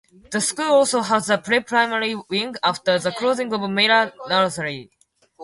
The school also has a "Pre-Primary Wing" after the closing of Mira Nursery.